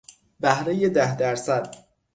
بهرهی ده درصد